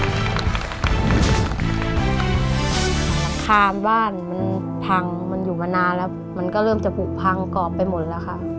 อาคารบ้านมันพังมันอยู่มานานแล้วมันก็เริ่มจะผูกพังกรอบไปหมดแล้วค่ะ